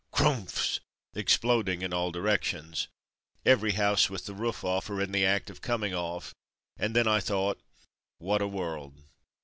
"Crumphs'' exploding in all directions. Every house with the roof off, or in the act of coming off, and then I thought '' What a world